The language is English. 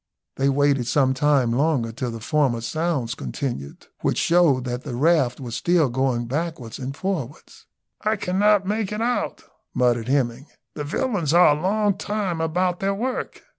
They waited some time longer till the former sounds continued, which showed that the raft was still going backwards and forwards. "I cannot make it out," muttered Hemming; "the villains are a long time about their work.